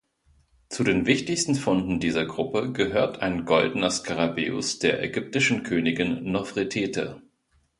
Zu den wichtigsten Funden dieser Gruppe gehört ein goldener Skarabäus der ägyptischen Königin Nofretete.